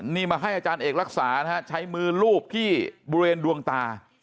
นี่มาให้อาจารย์เอกรักษานะฮะใช้มือลูบที่บริเวณดวงตา